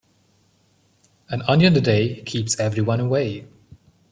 An onion a day keeps everyone away.